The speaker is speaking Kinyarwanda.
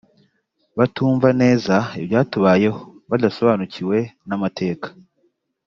batumva neza ibyatubayeho badasobanukiwe n’amateka…